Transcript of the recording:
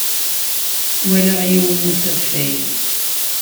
Walaɣ yiwen n usafag.